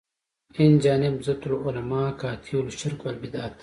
اینجانب زبدة العلما قاطع شرک و البدعت.